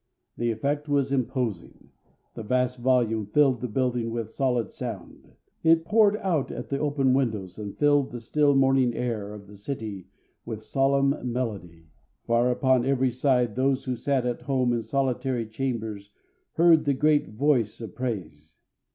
The effect was imposing. The vast volume filled the building with solid sound. It poured out at the open windows and filled the still morning air of the city with solemn melody. Far upon every side those who sat at home in solitary chambers heard the great voice of praise.